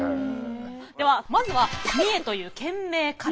ではまずは三重という県名から。